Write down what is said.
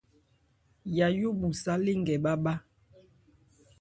Yayó bhu sálê nkɛ bhâ bhá.